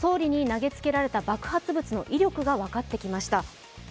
総理に投げつけた爆発物の威力が分かってきました。